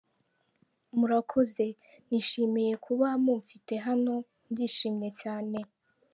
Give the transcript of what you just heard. Murakoze! Nishimiye kuba mumfite hano, ndishimye cyane.